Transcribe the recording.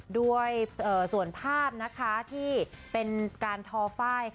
ด้วยส่วนภาพที่เป็นการทอไฟล์